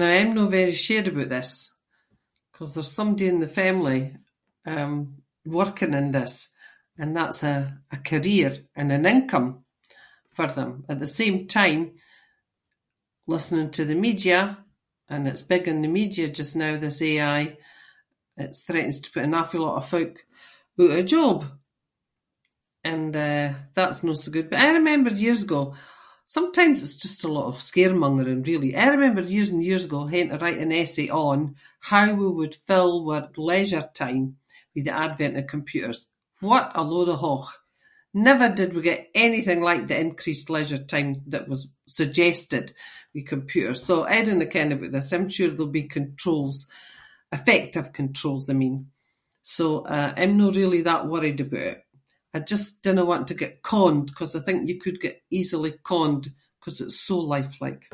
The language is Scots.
Now I’m no very sure aboot this, ‘cause there’s somebody in the family, um, working in this and that’s, eh, a career and an income for them. At the same time, listening to the media, and it’s big in the media just now this AI, it threatens to put an awfu' lot of folk oot of a job, and eh, that’s no so good. But I remember years ago, sometimes it’s just a lot of scaremongering really. I remember years and years ago haeing to write an essay on how we would fill wir leisure time with the advent of computers. What a load of hoch! Never did we get anything like the increased leisure time that was suggested with computers, so I dinna ken aboot this. I’m sure there’ll be controls- effective controls, I mean. So, eh, I’m no really that worried aboot it. I just dinna want to get conned ‘cause I just think you could get easily conned ‘cause it’s so lifelike.